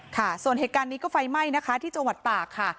ค่ะส่วนเหตุการณ์นี้ก็ไฟไหม้นะคะที่จังหวัดตากค่ะ